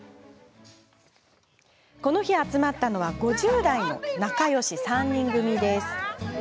この日、集まったのは５０代の仲よし３人組。